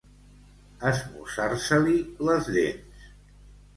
Esmussar-se-li les dents.